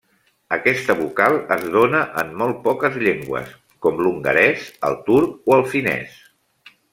Aquesta vocal es dóna en molt poques llengües, com l'hongarès, el turc o el finès.